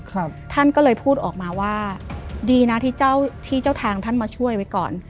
ท่านก็เลยพูดออกมาว่าดีนะที่เจ้าที่เจ้าทางท่านมาช่วยไว้ก่อน